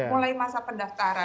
mulai masa pendaftaran